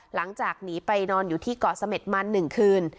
หลังจากหนีไปนอนอยู่ที่เกาะเสม็ดมัน๑คืน